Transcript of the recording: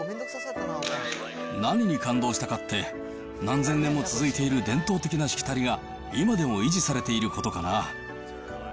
何に感動したかって、何千年も続いている伝統的なしきたりが、今でも維持されていることかな。